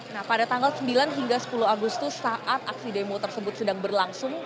nah pada tanggal sembilan hingga sepuluh agustus saat aksi demo tersebut sedang berlangsung